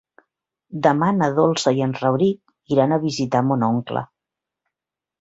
Demà na Dolça i en Rauric iran a visitar mon oncle.